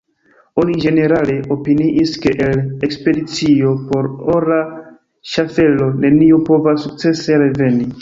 Oni ĝenerale opiniis, ke el ekspedicio por ora ŝaffelo neniu povas sukcese reveni.